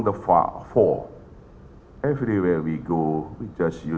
di mana mana saja kami pergi kami hanya menggunakan ini